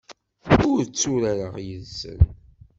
Ur tturareɣ yes-sen.